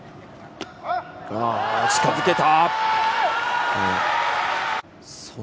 近づけた！